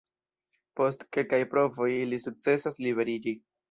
Post kelkaj provoj, ili sukcesas liberiĝi.